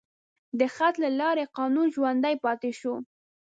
د خط له لارې قانون ژوندی پاتې شو.